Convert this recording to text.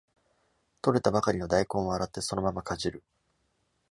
採れたばかりの大根を洗ってそのままかじる